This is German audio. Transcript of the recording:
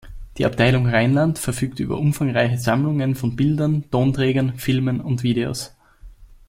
Die Abteilung Rheinland verfügt über umfangreiche Sammlungen von Bilden, Tonträgern, Filmen und Videos.